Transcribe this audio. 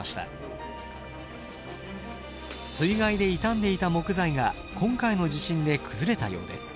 水害で傷んでいた木材が今回の地震で崩れたようです。